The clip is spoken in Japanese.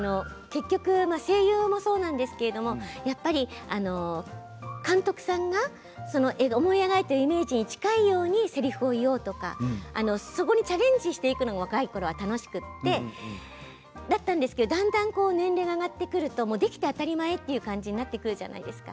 結局声優もそうなんですけどやっぱり監督さんが思い描いているイメージに近いようにせりふを言おうとかそこにチャレンジしていくのが楽しくてだったんですけれど年齢が上がってくるとできて当たり前という感じになってくるじゃないですか。